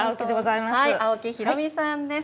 青木弘美さんです。